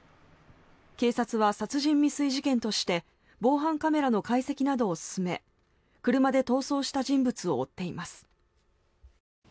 警察は殺人未遂事件として防犯カメラの解析などを進め車で逃走した人物を追っています。